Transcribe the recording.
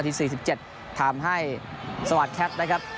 อันที่๔๗ทำให้สวัสดิ์แคปนะครับ